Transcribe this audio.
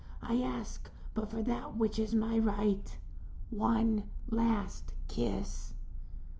I ask but for that which is my right, one last kiss."